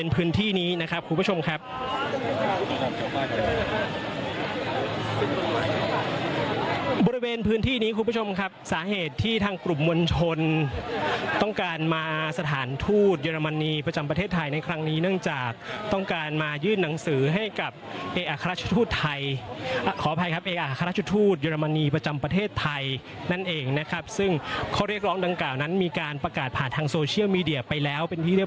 พื้นที่นี้นะครับคุณผู้ชมครับบริเวณพื้นที่นี้คุณผู้ชมครับสาเหตุที่ทางกลุ่มมวลชนต้องการมาสถานทูตเยอรมนีประจำประเทศไทยในครั้งนี้เนื่องจากต้องการมายื่นหนังสือให้กับเอกราชทูตไทยขออภัยครับเอกอัครราชทูตเยอรมนีประจำประเทศไทยนั่นเองนะครับซึ่งข้อเรียกร้องดังกล่าวนั้นมีการประกาศผ่านทางโซเชียลมีเดียไปแล้วเป็นที่เรีย